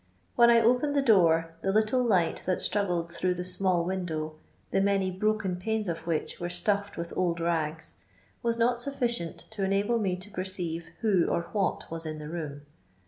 When I opened the door the little light that struggled through the small window, the many broken panes of which were stuffed with old rags, was not sufficient to enable me to perceive who or what was in the room.